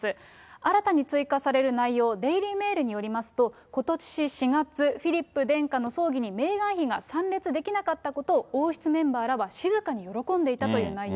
新たに追加される内容、デイリー・メールによりますと、ことし４月、フィリップ殿下の葬儀にメーガン妃が参列できなかったことを王室メンバーらは静かに喜んでいたという内容。